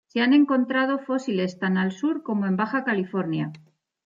Se han encontrado fósiles tan al sur como en Baja California.